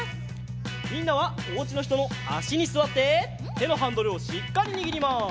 みんなはおうちのひとのあしにすわっててのハンドルをしっかりにぎります。